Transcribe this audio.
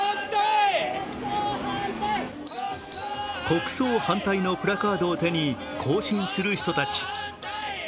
「国葬反対」のプラカードを手に行進する人たち。